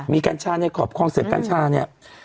มีคอนเซ็พกัญชาเนี่ย